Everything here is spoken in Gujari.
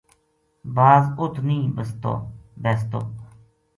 باز ات نیہہ بیستو